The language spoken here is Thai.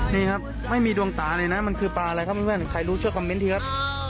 นี่ครับไม่มีดวงตาเลยนะมันคือปลาอะไรครับใครรู้ช่วยคอมเมนต์ทีครับ